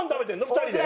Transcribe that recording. ２人で？